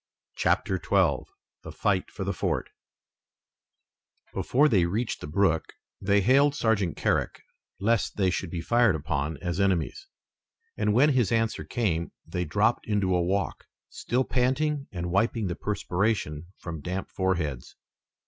CHAPTER XII THE FIGHT FOR THE FORT Before they reached the brook they hailed Sergeant Carrick lest they should be fired upon as enemies, and when his answer came they dropped into a walk, still panting and wiping the perspiration from damp foreheads.